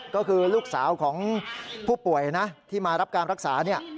ก็คือลูกสาวของผู้ป่วยนะที่มารับการรักษาเนี่ย